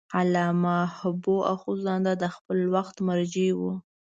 علامه حبو اخند زاده د خپل وخت مرجع و.